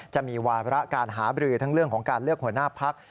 จะมีวาระการหาบรือทั้งเรื่องของการเลือกหัวหน้าพัก